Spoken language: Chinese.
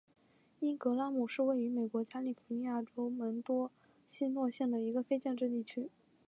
因格拉姆是位于美国加利福尼亚州门多西诺县的一个非建制地区。